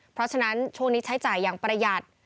เพราะฉะนั้นช่วงนี้ใช้จ่ายอย่างประหยัด